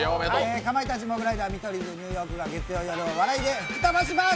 かまいたち、モグライダー、見取り図、ニューヨークが月曜夜を笑いで吹き飛ばします。